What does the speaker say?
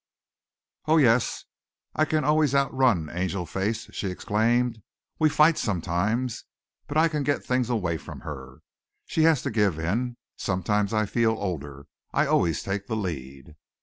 "Oh, yes, I can always outrun Angel face," she exclaimed. "We fight sometimes but I can get things away from her. She has to give in. Sometimes I feel older I always take the lead."